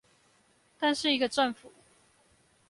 但是一個政府